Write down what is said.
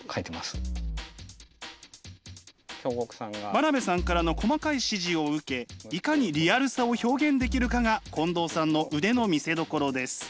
真鍋さんからの細かい指示を受けいかにリアルさを表現できるかが近藤さんの腕の見せどころです。